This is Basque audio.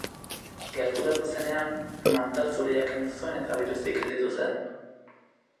Gerturatu zenean, mantal zuria kendu zuen eta biluzik gelditu zen.